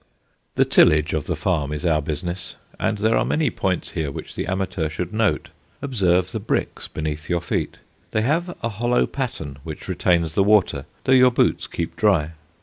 The tillage of the farm is our business, and there are many points here which the amateur should note. Observe the bricks beneath your feet. They have a hollow pattern which retains the water, though your boots keep dry.